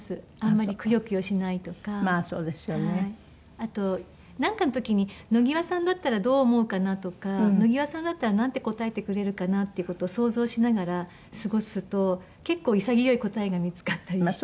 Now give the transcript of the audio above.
あとなんかの時に野際さんだったらどう思うかなとか野際さんだったらなんて答えてくれるかなっていう事を想像しながら過ごすと結構潔い答えが見つかったりして。